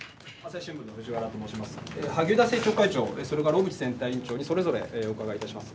萩生田政調会長、それから小渕選対委員長に、それぞれお伺いいたします。